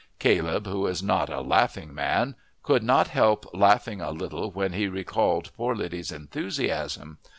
Caleb, who is not a laughing man, could not help laughing a little when he recalled poor Liddy's enthusiasm.